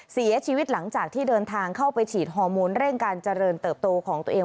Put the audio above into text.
เสียชีวิตหลังจากที่เดินทางเข้าไปฉีดฮอร์โมนเร่งการเจริญเติบโตของตัวเอง